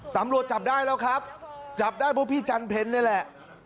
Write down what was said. ตำรวจจับได้แล้วครับจับได้เพราะพี่จันเพ็ญนี่แหละ